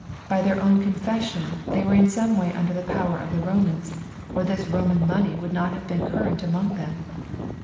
By their own confession they were in some way under the power of the Romans, or this Roman money would not have been current among them.